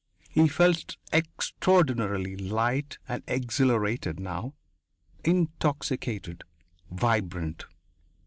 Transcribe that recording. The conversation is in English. He felt extraordinarily light and exhilarated now, intoxicated, vibrant.